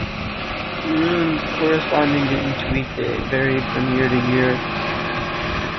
The runes corresponding to each weekday varied from year to year.